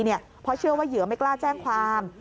เพราะเชื่อว่าเหยื่อไม่กล้าแจ้งความ